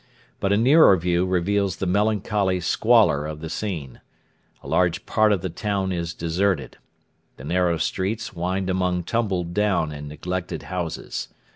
But a nearer view reveals the melancholy squalor of the scene. A large part of the town is deserted. The narrow streets wind among tumbled down and neglected houses.